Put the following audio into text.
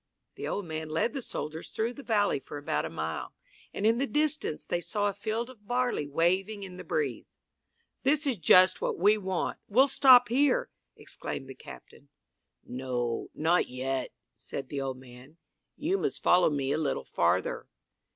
The old man led the soldiers through the valley for about a mile, and in the distance they saw a field of barley waving in the breeze. "This is just what we want. We'll stop here," exclaimed the captain. "No, not yet," said the old man. "You must follow me a little farther."